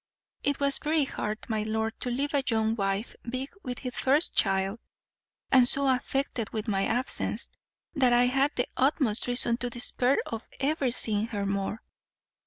It was very hard, my lord, to leave a young wife big with her first child, and so affected with my absence, that I had the utmost reason to despair of ever seeing her more.